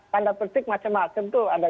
tanda petik macam macam tuh ada